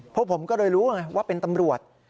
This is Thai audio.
พวกผมก็เลยรู้ไงว่าเป็นตำรวจ